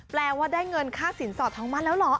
แปลว่าได้เงินค่าสินสอดทองมั่นแล้วเหรอ